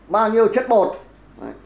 bao nhiêu trứng